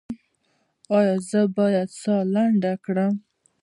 ایا زه باید ساه لنډه کړم؟